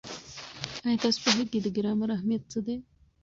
ایا تاسې پوهېږئ د ګرامر اهمیت څه دی؟